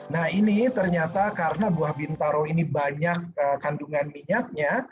nah ini ternyata karena buah bintaro ini banyak kandungan minyaknya